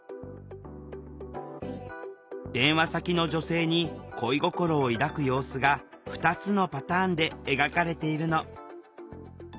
電話先の女性に恋心を抱く様子が２つのパターンで描かれているの。